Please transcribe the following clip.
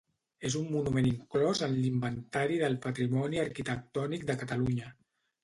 És un monument inclòs en l'Inventari del Patrimoni Arquitectònic de Catalunya.